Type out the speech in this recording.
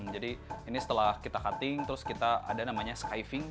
jadi ini setelah kita cutting terus kita ada namanya skiving